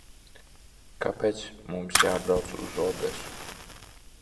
Kāpēc mums jābrauc uz Odesu?